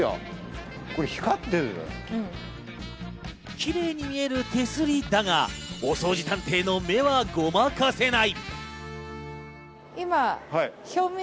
キレイに見える手すりだが、お掃除探偵の目はごまかせない。